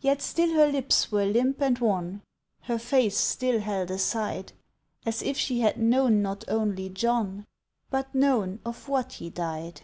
Yet still her lips were limp and wan, Her face still held aside, As if she had known not only John, But known of what he died.